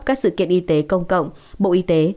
các sự kiện y tế công cộng bộ y tế